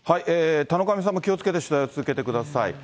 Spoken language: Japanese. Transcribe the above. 田上さんも気をつけて取材を続けてください。